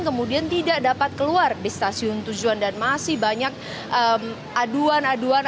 kemudian tidak dapat keluar di stasiun tujuan dan masih banyak aduan aduan